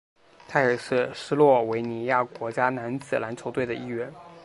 他也是斯洛维尼亚国家男子篮球队的一员。